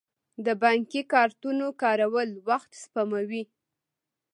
د بانکي کارتونو کارول وخت سپموي.